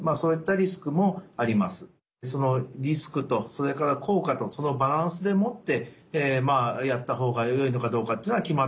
そのリスクとそれから効果とそのバランスでもってやった方がよいのかどうかっていうのは決まってきます。